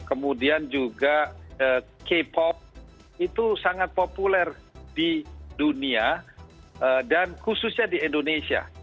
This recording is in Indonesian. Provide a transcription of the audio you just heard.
kemudian juga k pop itu sangat populer di dunia dan khususnya di indonesia